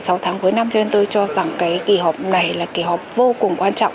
thế giới hội sáu tháng cuối năm cho nên tôi cho rằng cái kỳ họp này là kỳ họp vô cùng quan trọng